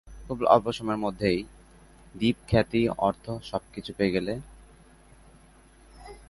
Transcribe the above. খুব অল্প সময়ের মধ্যেই দীপ খ্যাতি, অর্থ সবকিছু পেয়ে গেল।